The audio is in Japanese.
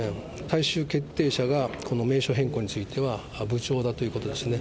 最終決定者が、この名称変更については部長だということですね。